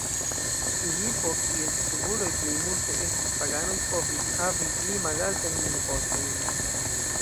Filipo, kies subuloj plejmulte estis paganoj, povis havi pli malaltajn impostojn.